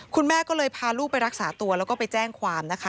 คุณแม่ก็เลยพาลูกไปรักษาตัวแล้วก็ไปแจ้งความนะคะ